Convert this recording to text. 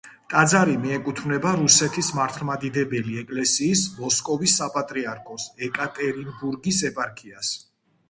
ტაძარი მიეკუთვნება რუსეთის მართლმადიდებელი ეკლესიის მოსკოვის საპატრიარქოს ეკატერინბურგის ეპარქიას.